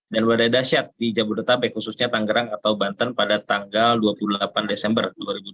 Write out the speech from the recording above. dan badai dasyat di jabodetabek khususnya tanggerang atau banten pada tanggal dua puluh delapan desember